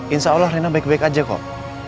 insya allah rina baik baik aja kok